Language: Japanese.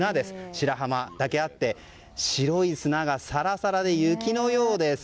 白浜だけあって白い砂がサラサラで雪のようです。